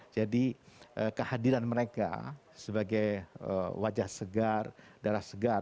jadi kehadiran mereka sebagai wajah segar darah segar